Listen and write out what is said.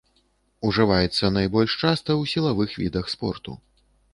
Ужываецца найбольш часта ў сілавых відах спорту.